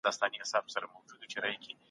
که ديني مسائل مطرح سي نو کليسا به ځواب ورکوي.